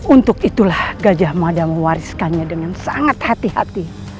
untuk itulah gajah mada mewariskannya dengan sangat hati hati